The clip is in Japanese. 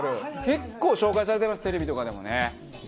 結構紹介されてますテレビとかでもね。